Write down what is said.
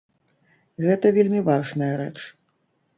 Гэта вельмі важная рэч.